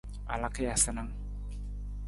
A laka ja sanang ?